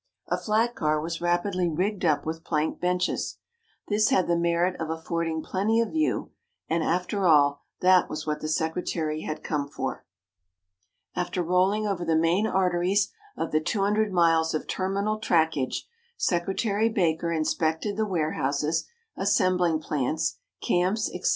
A flat car was rapidly rigged up with plank benches. This had the merit of affording plenty of view, and, after all, that was what the secretary had come for. After rolling over the main arteries of the 200 miles of terminal trackage, Secretary Baker inspected the warehouses, assembling plants, camps, etc.